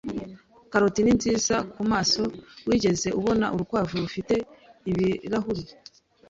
Karoti ni nziza kumaso. Wigeze ubona urukwavu rufite ibirahuri?